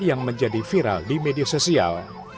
yang menjadi viral di media sosial